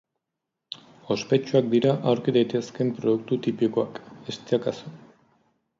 Ospetsuak dira aurki daitezkeen produktu tipikoak, eztia kasu.